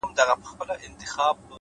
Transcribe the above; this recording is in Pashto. هره لاسته راوړنه له زحمت ځواک اخلي’